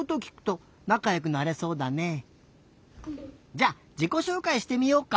じゃじこしょうかいしてみようか。